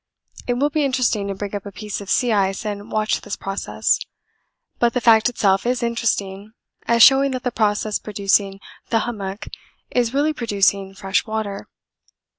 It will be interesting to bring up a piece of sea ice and watch this process. But the fact itself is interesting as showing that the process producing the hummock is really producing fresh water.